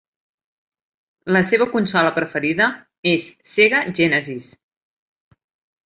La seva consola preferida és Sega Genesis.